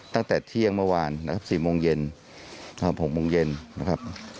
ตั้งแต่เที่ยงเมื่อวานนะครับ๔โมงเย็น๖โมงเย็นนะครับ